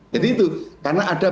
jadi itu karena ada